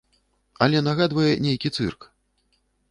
Але нагадвае нейкі цырк.